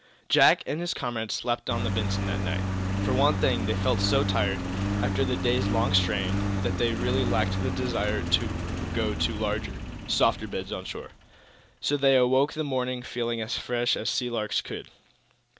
Jack and his comrades slept on the "Benson" that night. For one thing, they felt so tired, after the day's long strain, that they really lacked the desire even to go to larger, softer beds on shore. So they awoke in the morning feeling as fresh as sea larks should.